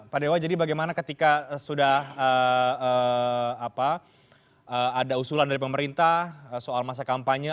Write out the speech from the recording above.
pak dewa jadi bagaimana ketika sudah ada usulan dari pemerintah soal masa kampanye